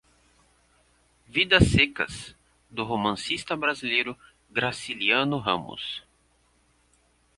Vidas Secas, do romancista brasileiro Graciliano Ramos